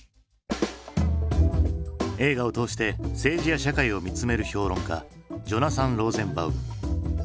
映画を通して政治や社会を見つめる評論家ジョナサン・ローゼンバウム。